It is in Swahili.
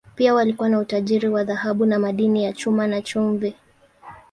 Pia walikuwa na utajiri wa dhahabu na madini ya chuma, na chumvi.